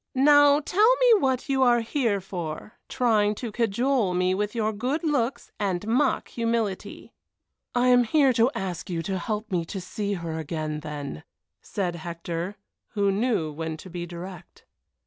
Now tell me what you are here for, trying to cajole me with your good looks and mock humility." "I am here to ask you to help me to see her again, then," said Hector, who knew when to be direct.